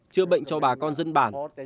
chữa bệnh cho bà con dân bản